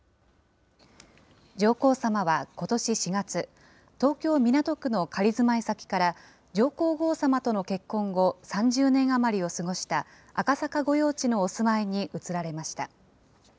上皇さまはことし４月、東京・港区の仮住まい先から、上皇后さまとの結婚後、３０年余りを過ごした赤坂御用地のお住まいに移られました。